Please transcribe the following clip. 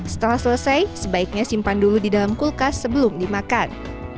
setelah selesai sebaiknya simpan dulu di dalam kulkas sebelum dimakan